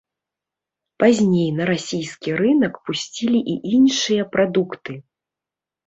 Пазней на расійскі рынак пусцілі і іншыя прадукты.